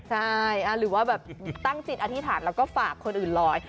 ใช่หรือว่าแบบตั้งจิตอธิษฐานแล้วก็ฝากคนอื่นลอย